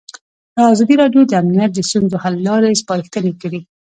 ازادي راډیو د امنیت د ستونزو حل لارې سپارښتنې کړي.